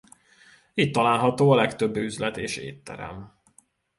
Itt található a legtöbb üzlet és étterem.